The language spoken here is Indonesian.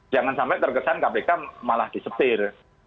jangan sampai terkesan kpk malah disetir